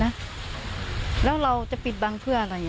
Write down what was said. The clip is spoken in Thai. นะแล้วเราจะปิดบังทด์เพื่ออะไรล่ะ